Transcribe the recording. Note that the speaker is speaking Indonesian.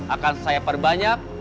akan saya perbanyak